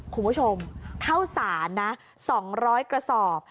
คุณผู้ชมเข้าสารนะ๒๐๐กระสอบ